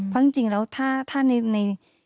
เพราะจริงแล้วถ้าใน